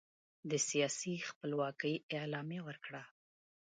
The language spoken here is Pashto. د سیاسي خپلواکۍ اعلامیه ورکړه.